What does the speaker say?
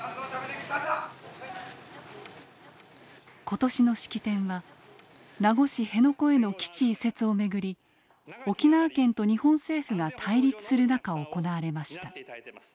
今年の式典は名護市辺野古への基地移設をめぐり沖縄県と日本政府が対立する中行われました。